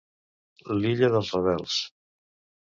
L'illa dels rebels.